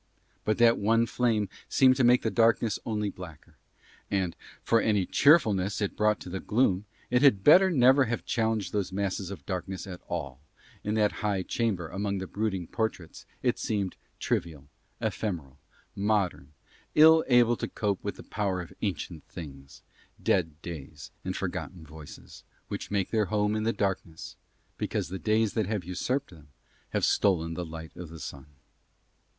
But that one flame seemed to make the darkness only blacker; and for any cheerfulness it brought to the gloom it had better never have challenged those masses of darkness at all in that high chamber among the brooding portraits it seemed trivial, ephemeral, modern, ill able to cope with the power of ancient things, dead days and forgotten voices, which make their home in the darkness because the days that have usurped them have stolen the light of the sun.